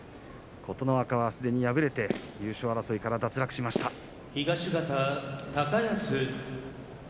琴ノ若はすでに敗れて優勝争いから脱落をしました。